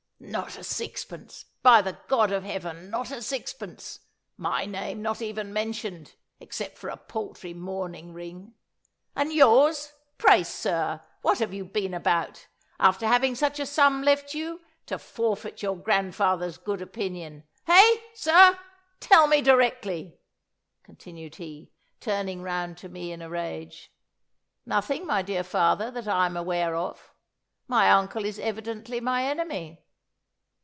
"Not a sixpence! By the God of heaven, not a sixpence! My name not even mentioned, except for a paltry mourning ring! And yours pray, sir, what have you been about, after having such a sum left you, to forfeit your grandfather's good opinion? Heh! sir tell me directly!" continued he, turning round to me in a rage. "Nothing, my dear father, that I am aware of. My uncle is evidently my enemy."